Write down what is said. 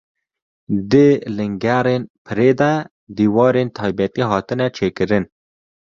Di lengerên pirê de dîwarên taybetî hatine çêkirin.